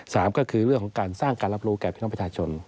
สามก็คือเรื่องของการสร้างการรับรู้แก่พี่น้องประชาชน